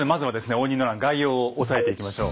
応仁の乱概要を押さえていきましょう。